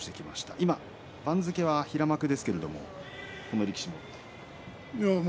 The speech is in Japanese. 今、番付は平幕ですけれどこの力士も。